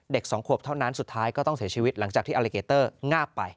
สองขวบเท่านั้นสุดท้ายก็ต้องเสียชีวิตหลังจากที่อลิเกเตอร์งาบไป